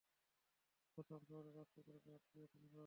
Gotham শহরের রাজপুত্রকে আটকিয়েছ তোমরা।